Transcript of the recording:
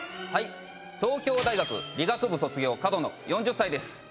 東京大学理学部卒業門野４０歳です。